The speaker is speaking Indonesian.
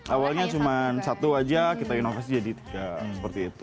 awalnya cuma satu aja kita inovasi jadi tiga seperti itu